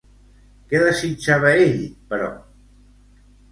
Què desitjava ell, però?